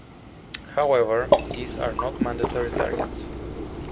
However, these are not mandatory targets.